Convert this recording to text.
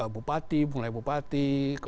bupati bunglai bupati